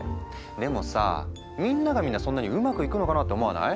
でもさみんながみんなそんなにうまくいくのかなって思わない？